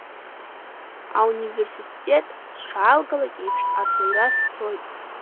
Ауниверситет сшаалгалак еиԥш, арҵаҩра сцоит.